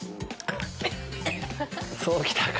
そうきたか。